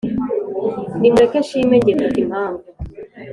nimureke nshime njye mfite impamvu